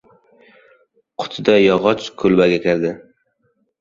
Qutiday yog‘och kulbaga kirdi.